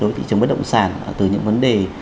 đối thị trường bất động sản từ những vấn đề